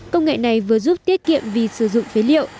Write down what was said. công nghệ này vừa giúp tiết kiệm vì sử dụng phế liệu